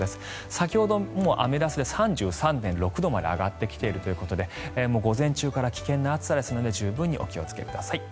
先ほどアメダスで３３．６度まで上がってきているということで午前中から危険な暑さですので十分お気をつけください。